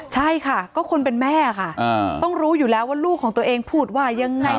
ใช่ค่ะก็คนเป็นแม่ค่ะต้องรู้อยู่แล้วว่าลูกของตัวเองพูดว่ายังไง